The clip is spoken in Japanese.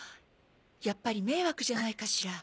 やっぱり迷惑じゃないかしら。